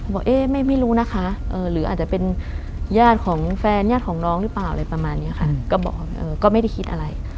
บอกเอ๊ะไม่รู้นะคะหรืออาจจะเป็นญาติของแฟนญาติของน้องหรือเปล่าอะไรประมาณนี้ค่ะก็บอกก็ไม่ได้คิดอะไร